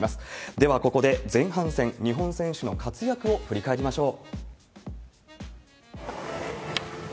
ではここで、前半戦、日本選手の活躍を振り返りましょう。